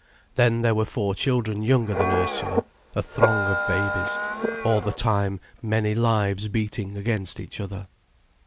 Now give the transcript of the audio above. Then there were four children younger than Ursula, a throng of babies, all the time many lives beating against each other.